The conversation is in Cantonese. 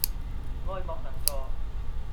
愛莫能助